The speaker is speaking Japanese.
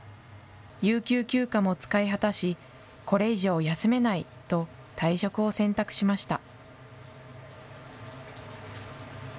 有給休暇も使い果たし、これ以上休めないと、退職を選択しました。